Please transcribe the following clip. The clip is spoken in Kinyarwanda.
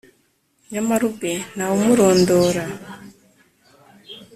nyamara ubwe ntawe umurondora.